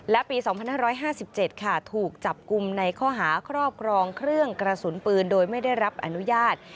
และปี๒๕๕๗ค่ะถูกจับกลุ่มในข้อหาครอบครองเครื่องกระสุนปืนโดยไม่ได้รับอนุญาต